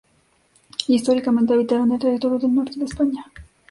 Históricamente habitaron el territorio del norte de España.